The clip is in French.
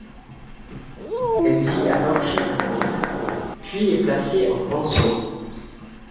Elle vit alors chez sa tante puis est placée en pension.